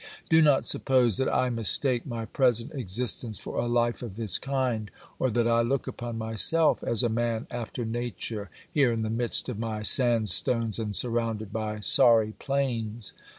Do not suppose that I mistake my present existence for a life of this kind, or that I look upon myself as a man after nature, here in the midst of my sandstones and sur rounded by sorry plains.